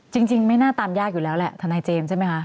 จริงไม่น่าตามยากอยู่แล้วแหละทนายเจมส์ใช่ไหมคะ